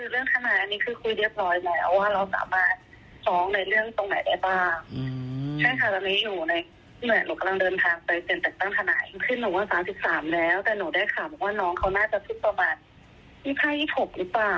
เลยต้องไปกราบหมอนะว่าหนูหน้าเด็ก